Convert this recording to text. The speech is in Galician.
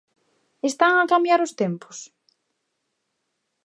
Están a cambiar os tempos?